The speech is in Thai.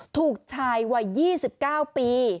ถูกชายวัย๒๙ปี